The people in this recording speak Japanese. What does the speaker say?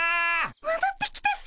もどってきたっピ。